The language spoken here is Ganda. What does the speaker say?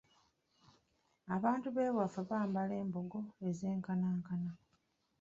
Abantu b’ewaffe bambala embugo ezenkanankana.